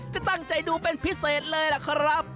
จะตั้งใจดูเป็นพิเศษเลยล่ะครับ